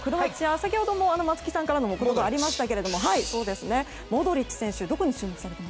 先ほど松木さんからもありましたがモドリッチ選手。